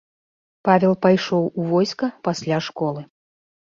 Павел пайшоў у войска пасля школы.